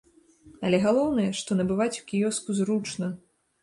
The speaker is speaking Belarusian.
Але галоўнае, што набываць у кіёску зручна.